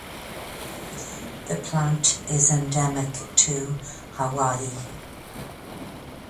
The plant is endemic to Hawaii.